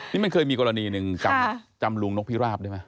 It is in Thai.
นี่มันเคยมีกรณีหนึ่งจำลุงนกพิราบได้ไหม